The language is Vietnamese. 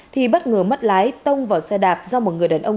thì bất ngờ mất lái tông vào xe đạp do một người đàn ông